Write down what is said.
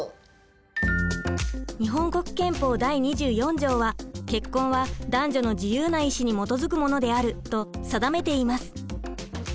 日本国憲法第２４条は結婚は男女の自由な意思に基づくものであると定めています。